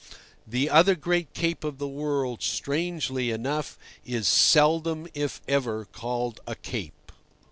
The other great cape of the world, strangely enough, is seldom if ever called a cape.